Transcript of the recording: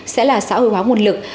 sẽ là xã hội hóa nguồn lực